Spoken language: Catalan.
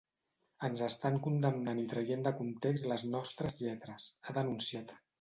“Ens estan condemnant i traient de context les nostres lletres”, ha denunciat.